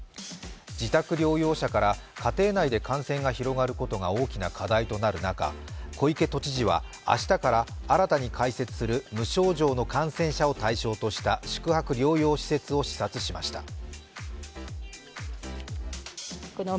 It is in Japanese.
自宅療養者から家庭内で感染が広がることが大きな課題となる中、小池都知事は明日から新たに開設する無症状の感染者を対象とした宿泊療養施設を視察しました。